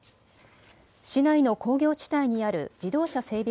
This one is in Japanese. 市内の工業地帯にある自動車整備